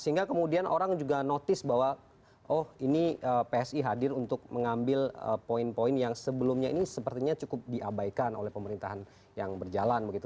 sehingga kemudian orang juga notice bahwa oh ini psi hadir untuk mengambil poin poin yang sebelumnya ini sepertinya cukup diabaikan oleh pemerintahan yang berjalan begitu